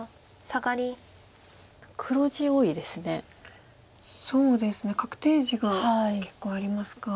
そうですね確定地が結構ありますか。